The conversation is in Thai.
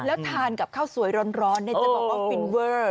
แล้วทานกับข้าวสวยร้อนจะบอกว่าฟินเวอร์